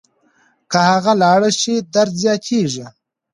که هغه لاړه شي درد زیاتېږي.